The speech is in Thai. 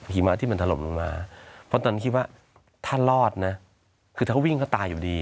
หิมะที่มันถล่มลงมาเพราะตอนนั้นคิดว่าถ้ารอดนะคือถ้าเขาวิ่งก็ตายอยู่ดี